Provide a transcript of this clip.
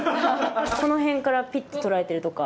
この辺からピッて撮られてるとか。